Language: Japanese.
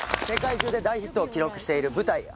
世界中で大ヒットを記録している舞台